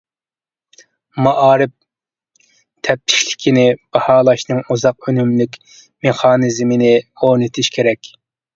مائارىپ تەپتىشلىكىنى باھالاشنىڭ ئۇزاق ئۈنۈملۈك مېخانىزمىنى ئورنىتىش كېرەك.